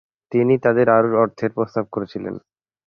তিনি তাদের আরও অর্থের প্রস্তাব করেছিলেন।